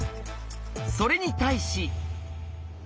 それに対し。